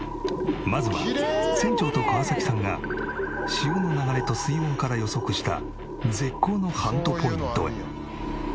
まずは船長と河崎さんが潮の流れと水温から予測した絶好のハントポイントへ。